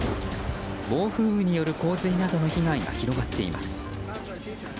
暴風雨による洪水などの被害が広がっています。